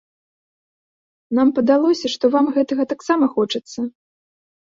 Нам падалося, што вам гэтага таксама хочацца.